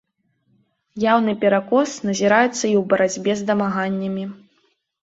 Яўны перакос назіраецца і ў барацьбе з дамаганнямі.